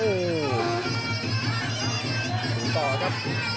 ถูกต่อครับ